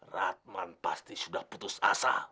ratman pasti sudah putus asa